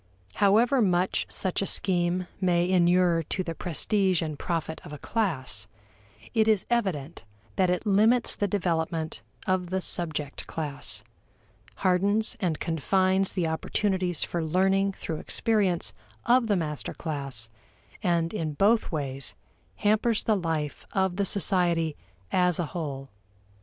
However much such a scheme may inure to the prestige and profit of a class, it is evident that it limits the development of the subject class; hardens and confines the opportunities for learning through experience of the master class, and in both ways hampers the life of the society as a whole.